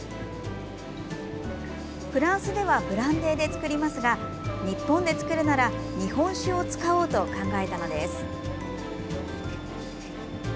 フランスではブランデーで作りますが日本で作るなら日本酒を使おうと考えたのです。